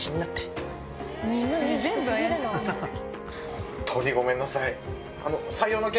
本当にごめんなさい。